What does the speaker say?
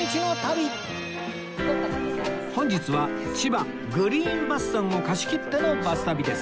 本日はちばグリーンバスさんを貸し切ってのバス旅です